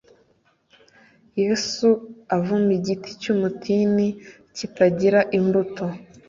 Yesu avuma igiti cyumutini kitagiraga imbuto